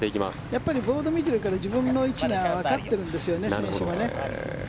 やっぱりボードを見てるから自分の位置がわかってるんですよね。